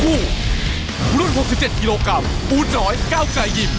รุ่น๖๗กิโลกรัมอู๋น้อยก้าวไก่ยิ่ม